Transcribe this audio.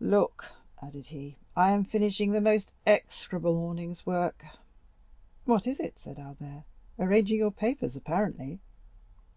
Look," added he. "I am finishing the most execrable morning's work." "What is it?" said Albert; "arranging your papers, apparently."